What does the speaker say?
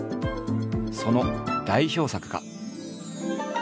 その代表作が。